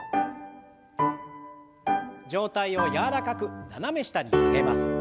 上体を柔らかく斜め下に曲げます。